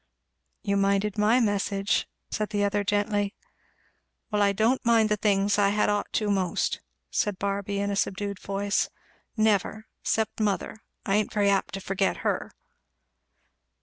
"You minded my message," said the other gently. "Well I don't mind the things I had ought to most," said Barby in a subdued voice, "never! 'cept mother I ain't very apt to forget her."